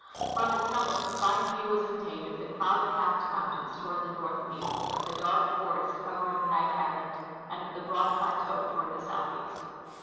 From its summit a fine view Avas obtained of the cloud capped mountains tOAvard the northeast, of the dark forest covering Knight island, and of the broad plateau toAvard the southeast.